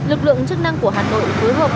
lực lượng chức năng của hà nội phối hợp